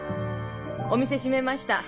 お店閉めました